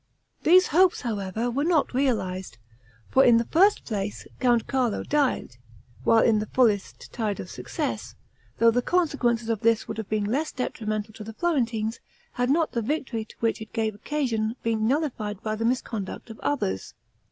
These hopes, however, were not realized; for in the first place, Count Carlo died, while in the fullest tide of success; though the consequences of this would have been less detrimental to the Florentines, had not the victory to which it gave occasion, been nullified by the misconduct of others.